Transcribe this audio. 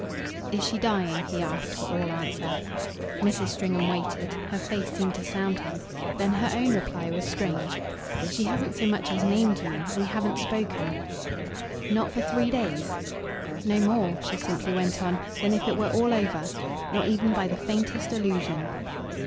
"Is she dying?" he asked for all answer. Mrs. Stringham waited her face seemed to sound him. Then her own reply was strange. "She hasn't so much as named you. We haven't spoken." "Not for three days?" "No more," she simply went on, "than if it were all over. Not even by the faintest allusion."